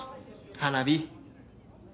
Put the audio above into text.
花火？